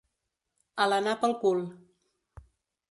Alenar pel cul.